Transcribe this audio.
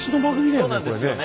そうなんですよね。